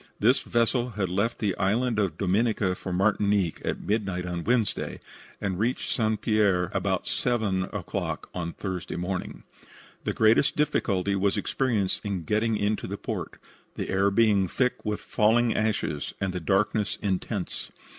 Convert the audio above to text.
This vessel had left the Island of Dominica for Martinique at midnight of Wednesday, and reached St. Pierre about 7 o'clock Thursday morning. The greatest difficulty was experienced in getting into port, the air being thick with falling ashes and the darkness intense.